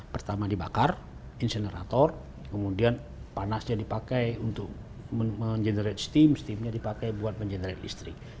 pertama dibakar insenerator kemudian panasnya dipakai untuk mengenerate steam steamnya dipakai buat mengenerate listrik